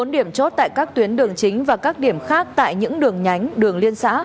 bốn điểm chốt tại các tuyến đường chính và các điểm khác tại những đường nhánh đường liên xã